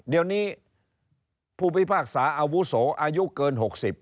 เดี๋ยวนี้ผู้พิพากษาอาวุโสอายุเกิน๖๐